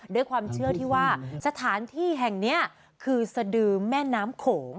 ด้วยความเชื่อที่ว่าสถานที่แห่งนี้คือสดือแม่น้ำโขง